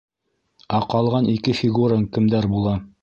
Ә ҡалған ике фигураң кемдәр була?